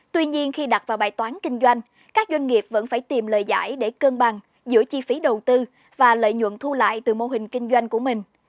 tuy nhiên khi đặt vào bài toán kinh doanh các doanh nghiệp vẫn phải tìm lời giải để cân bằng giữa chi phí đầu tư và lợi nhuận thu lại từ mô hình kinh doanh của mình